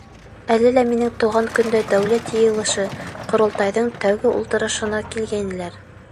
Әле лә минең тыуған көндә Дәүләт Йыйылышы — Ҡоролтайҙың тәүге ултырышына килгәйнеләр.